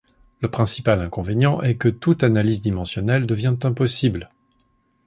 Le principal inconvénient est que toute analyse dimensionnelle devient impossible.